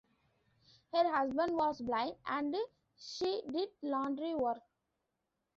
Her husband was blind, and she did laundry work.